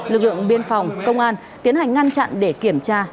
lực lượng biên phòng công an tiến hành ngăn chặn để kiểm tra